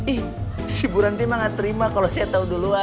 ih si bu rantik mah gak terima kalau saya tau duluan